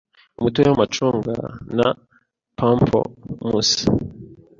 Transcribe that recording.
umutobe w’amacunga, na pamplemousse